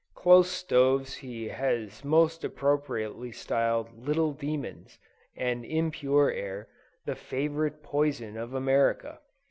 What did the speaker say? Close stoves he has most appropriately styled "little demons," and impure air "The favorite poison of America."